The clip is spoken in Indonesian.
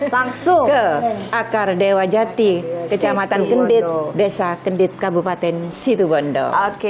langsung ke akar dewa jati kecamatan kendit desa kendit kabupaten situbondo